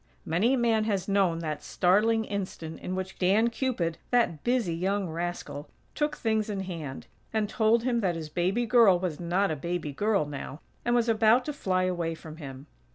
Many a man has known that startling instant in which Dan Cupid, that busy young rascal, took things in hand, and told him that his baby girl was not a baby girl now, and was about to fly away from him.